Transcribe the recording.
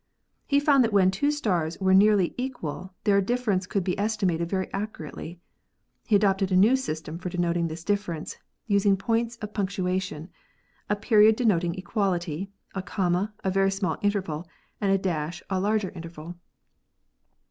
He found that when two stars were nearly equal their difference could be esti mated very accurately. He adopted a new system for denoting this difference, using points of punctuation — a period denoting equality, a comma a very small interval and a dash a larger interval.